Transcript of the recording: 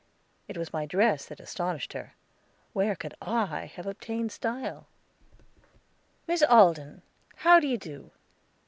It was my dress that astonished her. Where could I have obtained style? "Miss Alden, how do you do?